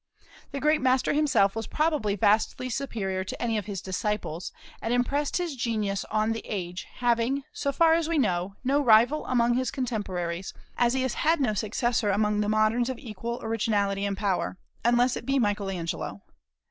The great master himself was probably vastly superior to any of his disciples, and impressed his genius on the age, having, so far as we know, no rival among his contemporaries, as he has had no successor among the moderns of equal originality and power, unless it be Michael Angelo.